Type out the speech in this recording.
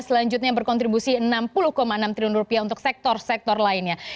selanjutnya berkontribusi enam puluh enam triliun rupiah untuk sektor sektor lainnya